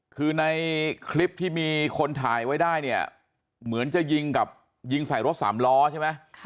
คือในคลิปที่มีคนถ่ายไว้ได้เนี่ยเหมือนจะยิงกับยิงใส่รถสามล้อใช่ไหม